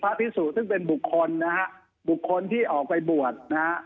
พิสุซึ่งเป็นบุคคลนะฮะบุคคลที่ออกไปบวชนะฮะ